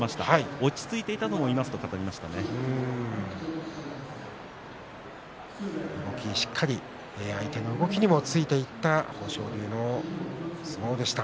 落ち着いていたと思いますと相手の動きにもしっかりとついていった豊昇龍の相撲でした。